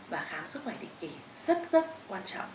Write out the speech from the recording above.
và khám sức khỏe định kỳ rất rất quan trọng